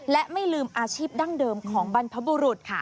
และไม่ลืมอาชีพดั้งเดิมของบรรพบุรุษค่ะ